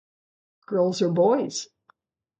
Girls are boys.